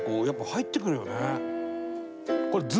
やっぱ、入ってくるよね。